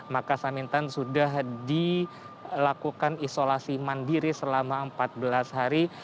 maka samintan sudah dilakukan isolasi mandiri selama empat belas hari